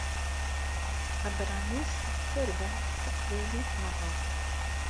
Abranis ttarbaɛt taqbaylit n rock.